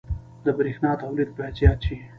• د برېښنا تولید باید زیات شي.